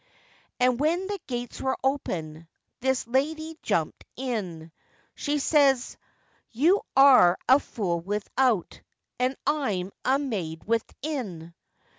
And when the gates were open, This lady jumpèd in; She says, 'You are a fool without, And I'm a maid within.